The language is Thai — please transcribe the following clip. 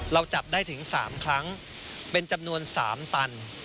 เราจับได้ถึง๓ครั้งเป็นจำนวน๓ตัน